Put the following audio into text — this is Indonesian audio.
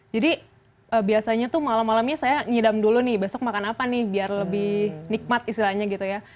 jadi biasanya tuh malam malamnya saya ngidam dulu nih besok makan apa nih biar lebih nikmat istilahnya gitu ya